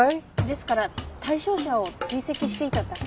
ですから対象者を追跡していただけなんです